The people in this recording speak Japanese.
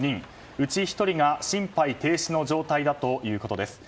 うち１人が心肺停止の状態だということです。